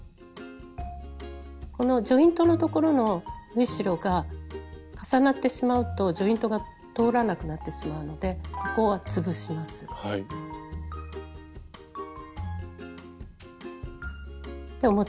このジョイントのところの縫い代が重なってしまうとジョイントが通らなくなってしまうのでここは潰します。